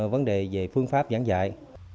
vấn đề về phương pháp giảng dạy